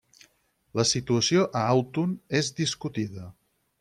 La situació a Autun és discutida.